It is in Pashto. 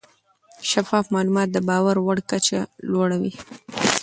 شفاف معلومات د باور کچه لوړه وي.